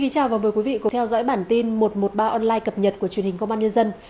chào mừng quý vị đến với bản tin một trăm một mươi ba online cập nhật của truyền hình công an nhân dân